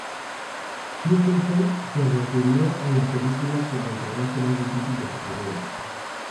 Mikkelsen se refirió a la película como el rodaje más difícil de su carrera.